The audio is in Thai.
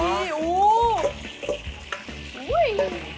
อุ้ย